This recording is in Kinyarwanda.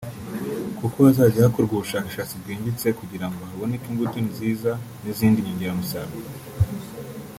kuko hazajya hakorwa ubushakashatsi bwimbitse kugira ngo haboneke imbuto nziza n’izindi nyongeramusaruro